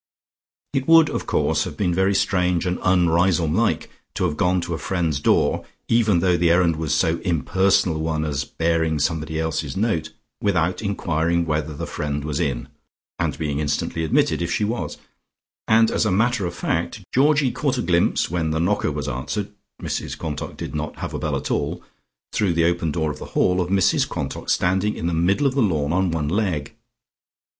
It would, of course, have been very strange and un Riseholme like to have gone to a friend's door, even though the errand was so impersonal a one as bearing somebody else's note, without enquiring whether the friend was in, and being instantly admitted if she was, and as a matter of fact, Georgie caught a glimpse, when the knocker was answered (Mrs Quantock did not have a bell at all), through the open door of the hall, of Mrs Quantock standing in the middle of the lawn on one leg.